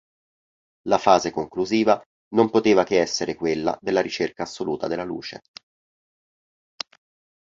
La fase conclusiva non poteva che essere quella della ricerca assoluta della luce.